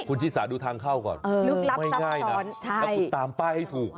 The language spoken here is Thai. คุณชิสาดูทางเข้าก่อนไม่ง่ายนะแล้วคุณตามป้ายให้ถูก